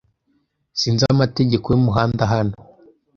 Sinzi amategeko yumuhanda hano.